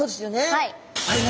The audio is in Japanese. はい。